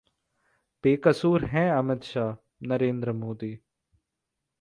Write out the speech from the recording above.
बेकसूर हैं अमित शाह: नरेंद्र मोदी